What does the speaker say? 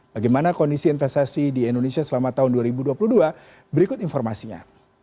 bagaimana kondisi investasi di indonesia selama tahun dua ribu dua puluh dua berikut informasinya